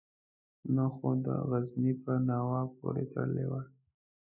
نه خو د غزني په ناوه پورې تړلی وو.